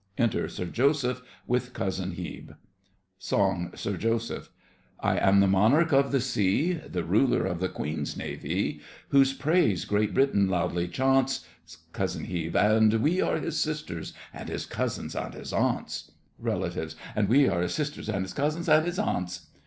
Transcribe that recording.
Enter SIR JOSEPH with COUSIN HEBE SONG—SIR JOSEPH I am the monarch of the sea, The ruler of the Queen's Navee, Whose praise Great Britain loudly chants. COUSIN HEBE. And we are his sisters, and his cousins and his aunts! REL. And we are his sisters, and his cousins, and his aunts!